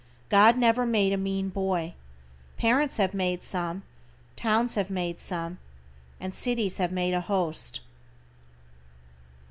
God never made a mean boy. Parents have made some, towns have made some, and cities have made a host.